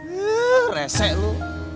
ih resek lu